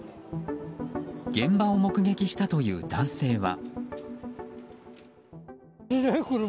現場を目撃したという男性は。